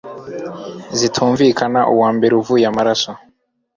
zitumvika uwa mbere uvuye amaraso